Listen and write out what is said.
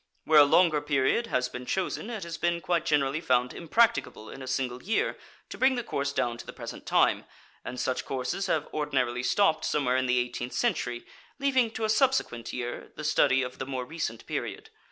Where a longer period has been chosen, it has been quite generally found impracticable in a single year to bring the course down to the present time, and such courses have ordinarily stopped somewhere in the eighteenth century, leaving to a subsequent year the study of the more recent period.